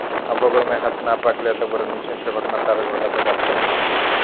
অপকর্মে হাত না পাকালে এত বড় নৃশংস ঘটনা তাঁরা ঘটাতে পারতেন না।